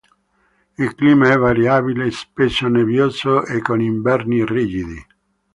Il clima è variabile, spesso nebbioso e con inverni rigidi.